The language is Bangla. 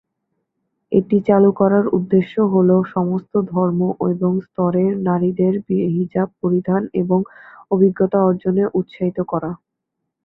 এটি চালু করার উদ্দেশ্য হলো, সমস্ত ধর্ম এবং স্তরের নারীদের হিজাব পরিধান এবং অভিজ্ঞতা অর্জনে উৎসাহিত করা।